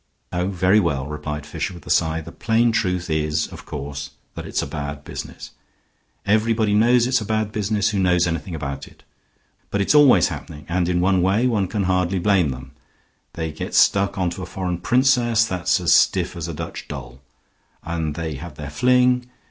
"Oh, very well," replied Fisher, with a sigh; "the plain truth is, of course, that it's a bad business. Everybody knows it's a bad business who knows anything about it. But it's always happening, and in one way one can hardly blame them. They get stuck on to a foreign princess that's as stiff as a Dutch doll, and they have their fling.